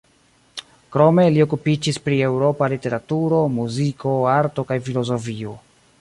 Krome li okupiĝis pri eŭropa literaturo, muziko, arto kaj filozofio.